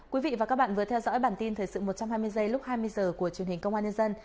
quý vị và các bạn vừa theo dõi bản tin thời sự một trăm hai mươi giây lúc hai mươi h của truyền hình công an nhân dân